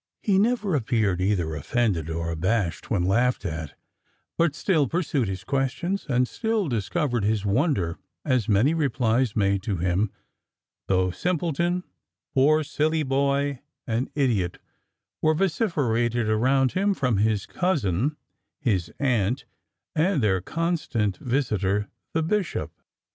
He never appeared either offended or abashed when laughed at; but still pursued his questions, and still discovered his wonder at many replies made to him, though "simpleton," "poor silly boy," and "idiot," were vociferated around him from his cousin, his aunt, and their constant visitor the bishop.